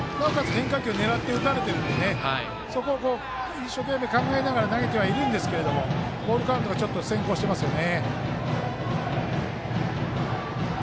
変化球狙って打たれているので、そこを一生懸命考えながら投げてはいるんですけれどもボールカウントが先行していますよね。